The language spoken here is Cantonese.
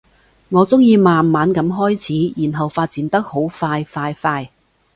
我鍾意慢慢噉開始，然後發展得好快快快